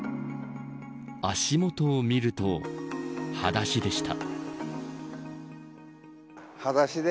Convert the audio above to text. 足元を見ると裸足でした。